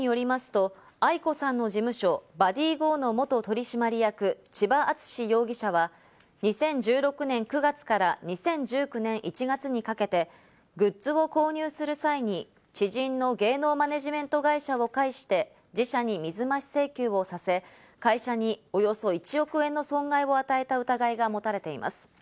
警視庁によりますと、ａｉｋｏさんの事務所「ｂｕｄｄｙｇｏ」の元取締役・千葉篤史容疑者は２０１６年９月から２０１９年１月にかけて、グッズを購入する際に知人の芸能マネジメント会社を介して自社に水増し請求をさせ、会社におよそ１億円の損害を与えた疑いが持たれています。